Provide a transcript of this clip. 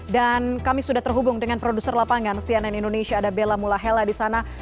dan kami sudah terhubung dengan produser lapangan cnn indonesia ada bella mulahela di sana